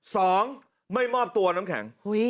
สองไม่มอบตัวน้ำแข็ง